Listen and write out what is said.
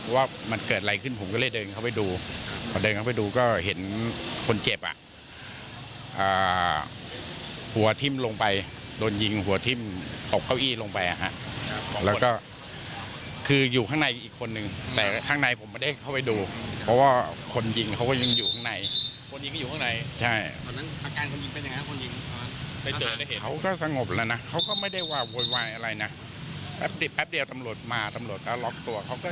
ก็ได้ยินเสียงปืนดังสามนัดก็เห็นลูกค้าวิ่งออกมาเราก็เลยจับไว้ได้ยินเสียงปืนดังสามนัดก็เลยจับไว้ได้ยินเสียงปืนดังสามนัดก็เลยจับไว้ได้ยินเสียงปืนดังสามนัดก็เลยจับไว้ได้ยินเสียงปืนดังสามนัดก็เลยจับไว้ได้ยินเสียงปืนดังสามนัดก็เลยจับไว้ได้ยินเสียงปืนดังสามนัดก็เลยจับ